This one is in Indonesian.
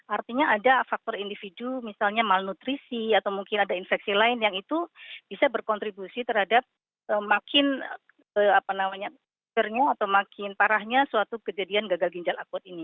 artinya ada faktor individu misalnya malnutrisi atau mungkin ada infeksi lain yang itu bisa berkontribusi terhadap makin parahnya suatu kejadian gagal ginjal akut ini